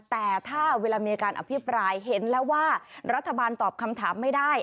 แต่ถ้าเวลามีการอภิปรายเห็นแล้วว่ารัฐบาลตอบคำถามไม่ได้